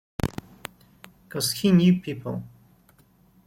'Cos he knew people.